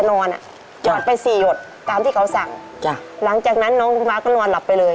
โปรดติดตามตอนต่อไป